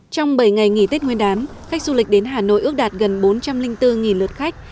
trong bảy ngày nghỉ tết nguyên đán khách du lịch đến hà nội ước đạt gần bốn trăm linh bốn lượt khách